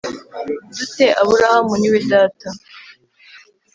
du te Aburahamu ni we data